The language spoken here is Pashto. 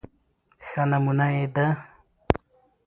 ښه نمونه يې د